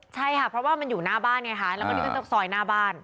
ใช่ค่ะเพราะว่ามันอยู่หน้าบ้านไงค่ะ